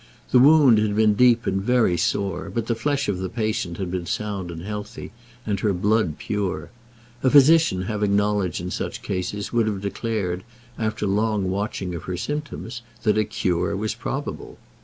The wound had been deep and very sore, but the flesh of the patient had been sound and healthy, and her blood pure. A physician having knowledge in such cases would have declared, after long watching of her symptoms, that a cure was probable.